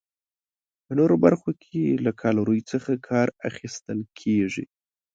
په نورو برخو کې له کالورۍ څخه کار اخیستل کیږي.